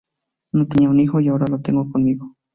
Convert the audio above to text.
No tenía hijo, y ahora lo tengo conmigo.